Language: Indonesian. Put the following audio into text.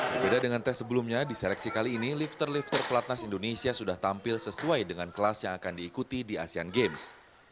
berbeda dengan tes sebelumnya di seleksi kali ini lifter lifter pelatnas indonesia sudah tampil sesuai dengan kelas yang akan diikuti di asean games